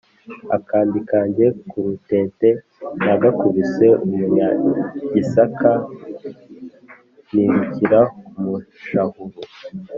,akambi kanjye k’urutete nagakubise umunyagisaka, nirukira kumushahura